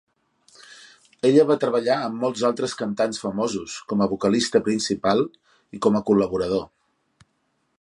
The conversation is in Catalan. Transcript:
Ella va treballar amb molts altres cantants famosos, com a vocalista principal i com a col·laborador.